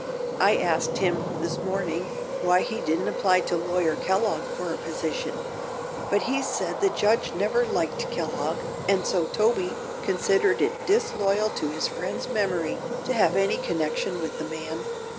I asked him, this morning, why he didn't apply to Lawyer Kellogg for a position; but he said the judge never liked Kellogg and so Toby considered it disloyal to his friend's memory to have any connection with the man.